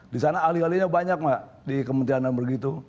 di sana ahli ahlinya banyak pak di kementerian dalam negeri itu